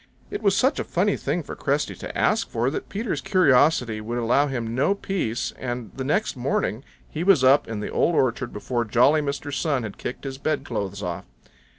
It was such a funny thing for Cresty to ask for that Peter's curiosity would allow him no peace, and the next morning he was up in the Old Orchard before jolly Mr. Sun had kicked his bedclothes off.